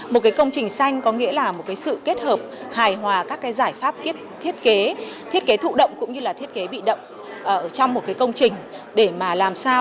một cái công trình xanh có nghĩa là một cái sự kết hợp hài hòa các cái giải pháp thiết kế thiết kế thụ động cũng như là thiết kế bị động trong một cái công trình để mà làm sao